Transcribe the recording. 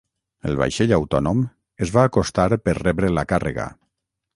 El vaixell autònom es va acostar per rebre la càrrega.